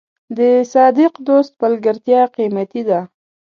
د صادق دوست ملګرتیا قیمتي ده.